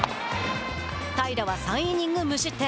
平良は３イニングス無失点。